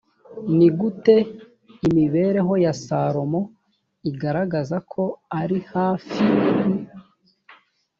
ni gute imibereho ya salomo igaragaza ko ari hafii